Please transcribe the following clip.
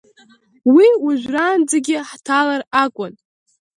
Уи уажәраанӡагьы ҳҭалар акәын.